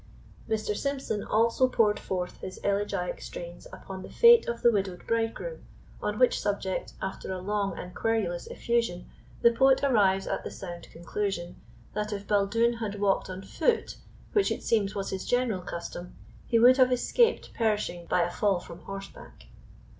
Mr. Symson also poured forth his elegiac strains upon the fate of the widowed bridegroom, on which subject, after a long and querulous effusion, the poet arrives at the sound conclusion, that if Baldoon had walked on foot, which it seems was his general custom, he would have escaped perishing by a fall from horseback.